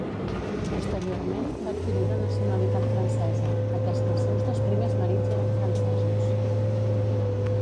Posteriorment va adquirir la nacionalitat francesa, atès que els seus dos primers marits eren francesos.